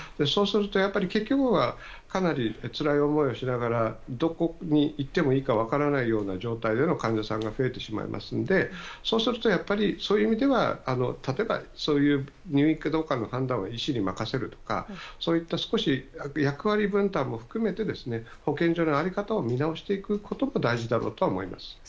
そうすると、やはり結局はかなりつらい思いをしながらどこにいっていいか分からないような状態の患者さんが増えてしまいますのでそうすると、そういう意味では例えば入院かどうかの判断は医師に任せるとかそういった少し役割分担を含めて保健所の在り方を見直していくことも大事だろうとは思います。